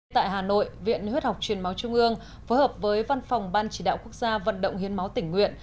tại hà nội viện huyết học truyền máu trung ương phối hợp với văn phòng ban chỉ đạo quốc gia vận động hiến máu tỉnh nguyện